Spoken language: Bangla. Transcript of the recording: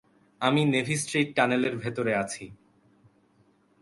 আমি নেভি স্ট্রিট টানেলের ভেতরে আছি।